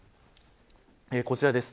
こちらです。